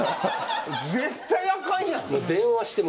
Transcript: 絶対あかんやん。